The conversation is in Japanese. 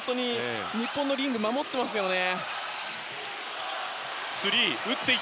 日本のリングを守ってますよね。